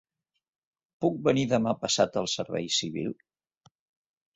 Puc venir demà passat al servei civil?